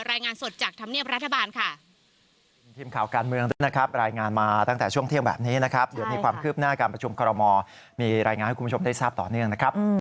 รายงานสดจากธรรมเนียบรัฐบาลค่ะ